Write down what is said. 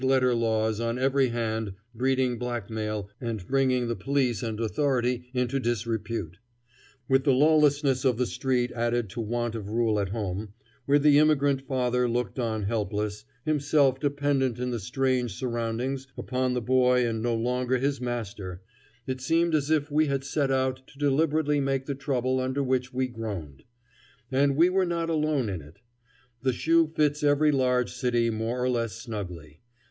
] with dead letter laws on every hand breeding blackmail and bringing the police and authority into disrepute; with the lawlessness of the street added to want of rule at home, where the immigrant father looked on helpless, himself dependent in the strange surroundings upon the boy and no longer his master it seemed as if we had set out to deliberately make the trouble under which we groaned. And we were not alone in it. The shoe fits every large city more or less snugly.